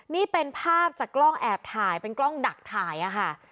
นี่เป็นภาพจากกล้องแอบถ่ายเป็นกล้องดักถ่ายค่ะ